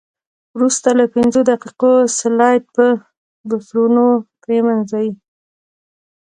وروسته له پنځو دقیقو سلایډ په بفرونو پرېمنځئ.